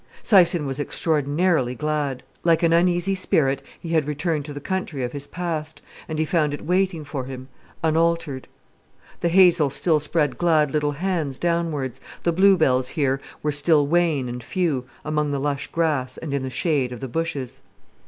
Syson was extraordinarily glad. Like an uneasy spirit he had returned to the country of his past, and he found it waiting for him, unaltered. The hazel still spread glad little hands downwards, the bluebells here were still wan and few, among the lush grass and in shade of the bushes.